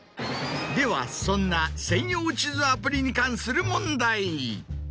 ではそんな専用地図アプリに関する。